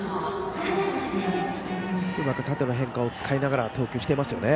うまく縦の変化を使いながら投球していますよね。